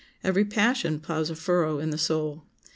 Every passion plows a furrow in the soul.